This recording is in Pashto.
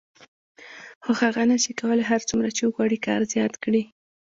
خو هغه نشي کولای هر څومره چې وغواړي کار زیات کړي